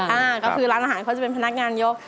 อเรนนี่แบบว่าก็คือร้านอาหารเขาจะเป็นพนักงานยก